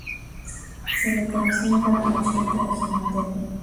Se le conocía como ""la chinita de Jinotepe"".